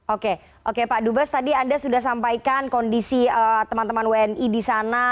oke oke pak dubas tadi anda sudah sampaikan kondisi teman teman wni di sana